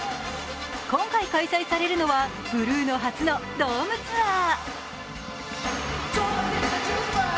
今回、開催されるのはブルーノ初のドームツアー。